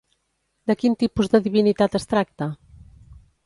De quin tipus de divinitat es tracta?